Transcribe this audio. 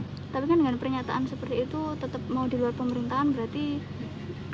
tapi kan dengan pernyataan seperti itu